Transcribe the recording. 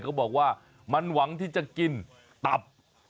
เขาบอกว่ามันหวังที่จะกินตับ